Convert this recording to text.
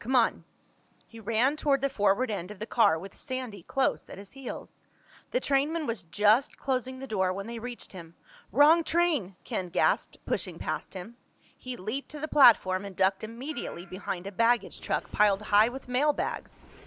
Come on." He ran toward the forward end of the car with Sandy close at his heels. The trainman was just closing the door when they reached him. "Wrong train!" Ken gasped, pushing past him. He leaped to the platform and ducked immediately behind a baggage truck piled high with mailbags.